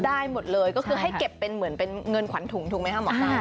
ได้หมดเลยก็คือให้เก็บเป็นเหมือนเป็นเงินขวัญถุงถูกไหมคะหมอปลา